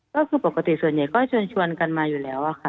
ก็คือปกติส่วนใหญ่ก็เชิญชวนกันมาอยู่แล้วค่ะ